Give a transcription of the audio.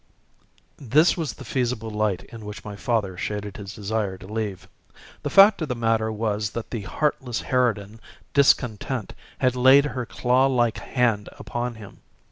This was the feasible light in which father shaded his desire to leave. The fact of the matter was that the heartless harridan, discontent, had laid her claw like hand upon him.